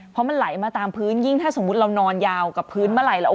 เพราะมันไหลมาตามพื้นยิ่งถ้าสมมุติเรานอนยาวกับพื้นเมื่อไหร่